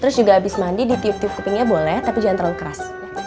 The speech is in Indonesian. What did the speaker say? terus juga habis mandi ditiup tiup kupingnya boleh tapi jangan terlalu keras